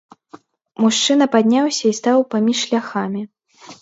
Мужчына падняўся і стаў паміж шляхамі.